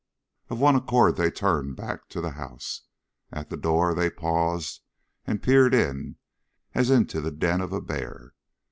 Of one accord they turned back to the house. At the door they paused and peered in, as into the den of a bear.